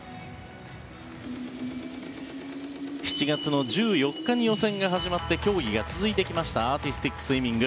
７月の１４日に予選が始まって競技が続いてきましたアーティスティックスイミング。